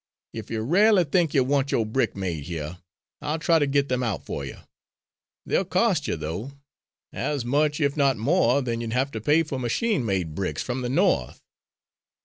If you r'al'y think you want yo'r brick made here, I'll try to get them out for you. They'll cost you, though, as much, if not more than, you'd have to pay for machine made bricks from the No'th."